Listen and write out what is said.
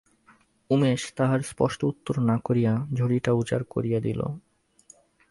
উমেশ তাহার স্পষ্ট উত্তর না করিয়া ঝুড়িটা উজাড় করিয়া দিল।